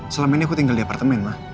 selama ini aku tinggal di apartemen lah